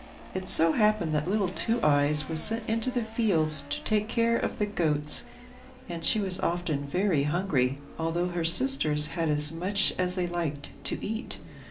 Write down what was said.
It so happened that little Two Eyes was sent into the fields to take care of the goats, and she was often very hungry, although her sisters had as much as they liked to eat.